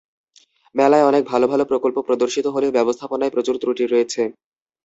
মেলায় অনেক ভালো ভালো প্রকল্প প্রদর্শিত হলেও ব্যবস্থাপনায় প্রচুর ত্রুটি রয়েছে।